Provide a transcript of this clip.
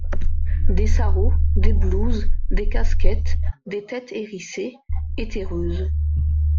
Des sarraus, des blouses, des casquettes, des têtes hérissées et terreuses.